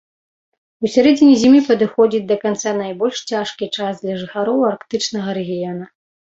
У сярэдзіне зімы падыходзіць да канца найбольш цяжкі час для жыхароў арктычнага рэгіёна.